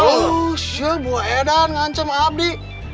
oh siap buat edan ngancam abdi